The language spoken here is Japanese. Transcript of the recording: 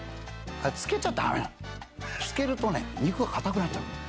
あれ漬けちゃダメなの漬けると肉が硬くなっちゃう。